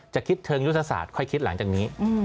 จะคิดเชิงยุทธศาสตร์ค่อยคิดหลังจากนี้